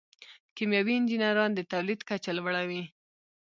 کیمیاوي انجینران د تولید کچه لوړوي.